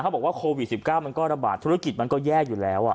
เขาบอกว่าโควิดสิบเก้ามันก็ระบาดธุรกิจมันก็แยกอยู่แล้วอ่ะ